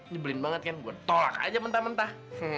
jebelin banget kan gua tolak aja mentah mentah